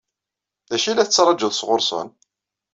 D acu i la tettṛaǧuḍ sɣur-sen?